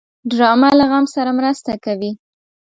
ډرامه له غم سره مرسته کوي